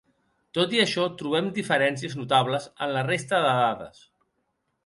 Tot i això, trobem diferències notables en la resta de dades.